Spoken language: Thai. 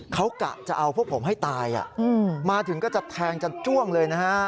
เขากะจะเอาพวกผมให้ตายมาถึงก็จะแทงจะจ้วงเลยนะฮะ